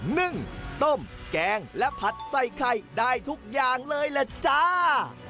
นึ่งต้มแกงและผัดใส่ไข่ได้ทุกอย่างเลยล่ะจ้า